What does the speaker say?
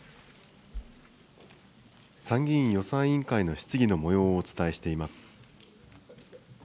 参議院予算委員会の質疑のもようをお伝えしています。